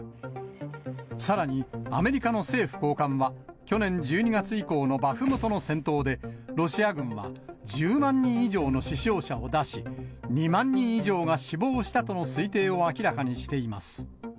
さらにアメリカの政府高官は、去年１２月以降のバフムトの戦闘で、ロシア軍は１０万人以上の死傷者を出し、２万人以上が死亡したとの推定を明らかにしています。